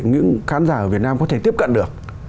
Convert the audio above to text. những khán giả ở việt nam có thể tiếp cận được